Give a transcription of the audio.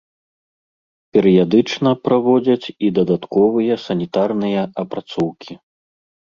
Перыядычна праводзяць і дадатковыя санітарныя апрацоўкі.